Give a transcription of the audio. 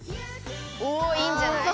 おいいんじゃない？